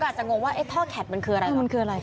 ก็อาจจะงงว่าเนี่ยท่อแคทมันคืออะไร